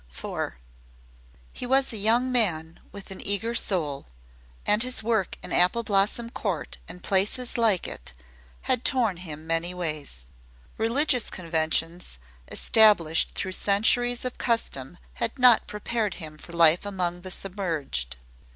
IV He was a young man with an eager soul, and his work in Apple Blossom Court and places like it had torn him many ways. Religious conventions established through centuries of custom had not prepared him for life among the submerged.